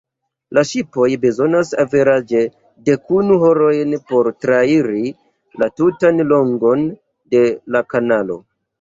La ŝipoj bezonas averaĝe dekunu horojn por trairi la tutan longon de la kanalo.